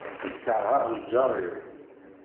Kerheɣ lǧar-iw.